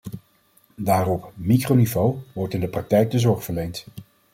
Daar op, microniveau, wordt in de praktijk de zorg verleend.